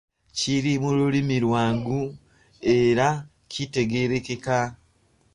Kiri mu lulimi olwangu era kitegeerekeka.